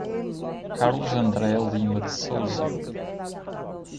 Carlos André Lima de Sousa